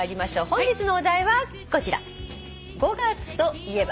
本日のお題はこちら。